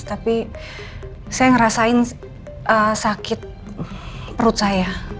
tapi saya ngerasain sakit perut saya